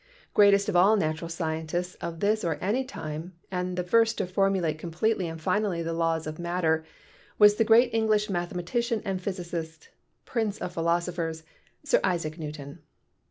Greatest of all natural scientists of this or any time and first to formulate completely and finally the laws of matter was the great English mathematician and physicist, "prince of philosophers," Sir Isaac Newton.